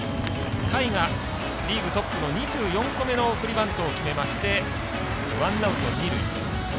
甲斐がリーグトップの２４個目の送りバントを決めましてワンアウト、二塁。